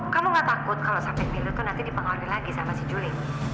kamu gak takut kalau sampai beli itu nanti dipengaruhi lagi sama si juli